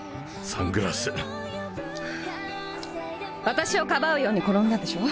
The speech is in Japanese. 私をかばうように転んだでしょう？